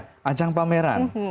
ya ajang pameran